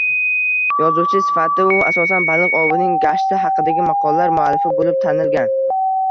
Yozuvchi sifatida, u asosan, baliq ovining gashti haqidagi maqolalar muallifi bo‘lib tanilgan